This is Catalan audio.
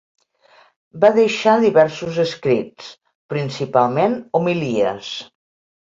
Va deixar diversos escrits principalment homilies.